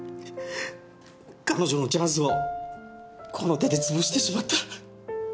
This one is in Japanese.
彼女のチャンスをこの手で潰してしまった。